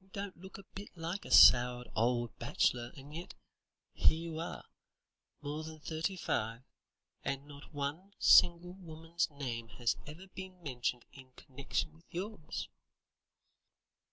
You don't look a bit like a soured old bachelor, and yet here you are, more than thirty five, and not one single woman's name has ever been mentioned in connection with yours."